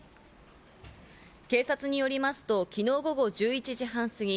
警察によりますと、昨日午後１１時半過ぎ。